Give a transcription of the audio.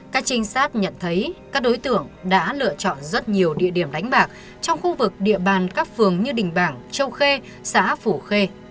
các trinh sát nhận thấy các đối tượng đã lựa chọn rất nhiều địa điểm đánh bạc trong khu vực địa bàn các phường như đình bảng châu khê xã phủ khê